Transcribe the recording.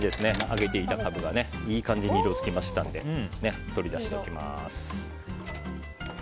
揚げていたカブがいい感じに色づきましたので取り出していきます。